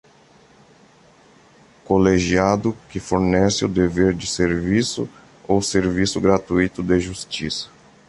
Colegiado que fornece o dever de serviço ou serviço gratuito de justiça.